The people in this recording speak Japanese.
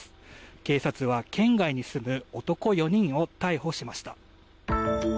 警察は県外に住む男４人を逮捕しました。